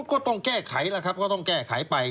ก็ต้องแก้ไขแล้วครับก็ต้องแก้ไขไป